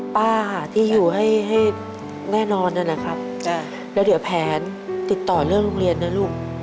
ป้าที่อยู่ให้ให้แม่นอนนะครับแล้วเดี๋ยวแผนติดต่อเรื่องโรงเรียนนะลูก